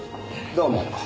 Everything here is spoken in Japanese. どうも。